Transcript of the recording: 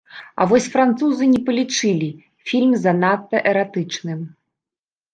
А вось французы не палічылі фільм занадта эратычным.